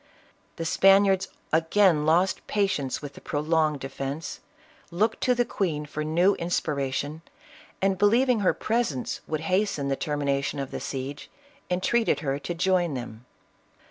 The Spaniards again lost patience with the pro longed defence, looked to the queen for new inspira tion, and believing her presence would hasten the termination of the siege, entreated her to join them.